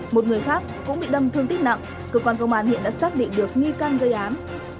một người khác cũng bị đâm thương tích nặng cơ quan công an hiện đã xác định được nghi can gây án